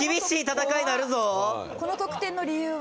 この得点の理由は？